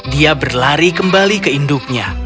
dia berlari kembali ke induknya